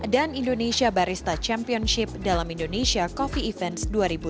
dan indonesia barista championship dalam indonesia coffee events dua ribu dua puluh dua